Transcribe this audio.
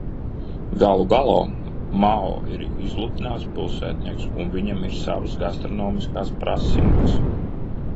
Galu galā Mao ir izlutināts pilsētnieks un viņam ir savas gastronomiskās prasības.